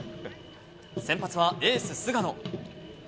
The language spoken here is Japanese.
先発はエース、菅野。